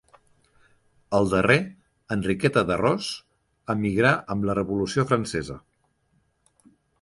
El darrer, Enriqueta de Ros, emigrà amb la Revolució Francesa.